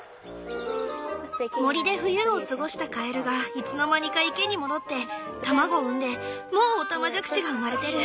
森で冬を過ごしたカエルがいつの間にか池に戻って卵を産んでもうオタマジャクシが産まれてる。